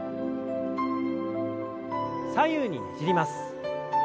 左右にねじります。